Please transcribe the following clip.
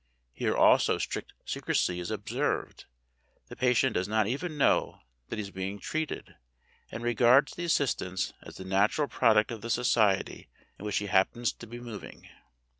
Here also strict secrecy is observed. The patient does not even know that he is being treated, and regards the assistants as the natural product of the society in which he happens to be moving.